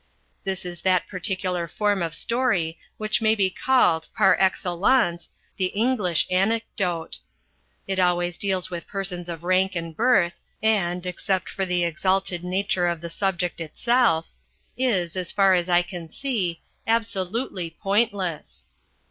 This is that particular form of story which may be called, par excellence, the English Anecdote. It always deals with persons of rank and birth, and, except for the exalted nature of the subject itself, is, as far as I can see, absolutely pointless.